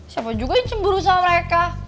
siapa juga yang cemburu sama mereka